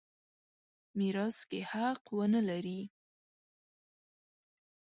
میراث کې حق ونه لري.